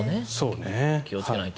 気をつけないと。